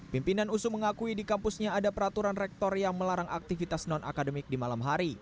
pimpinan usu mengakui di kampusnya ada peraturan rektor yang melarang aktivitas non akademik di malam hari